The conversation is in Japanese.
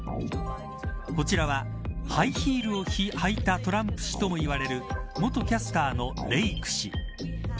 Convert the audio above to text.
こちらはハイヒールを履いたトランプ氏ともいわれる元キャスターのレイク氏。